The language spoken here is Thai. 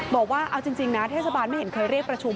บอกว่าเอาจริงนะเทศบาลไม่เห็นเคยเรียกประชุม